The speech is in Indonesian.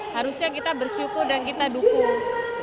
harusnya kita bersyukur dan kita dukung